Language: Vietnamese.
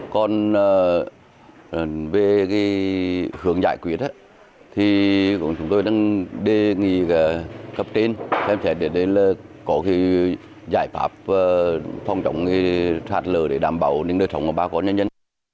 còn về hướng giải quyết thì chúng tôi đang đề nghị cấp trên xem sẽ đến lời có cái giải pháp phong trọng sạt lở để đảm bảo đời sống của ba con nhân dân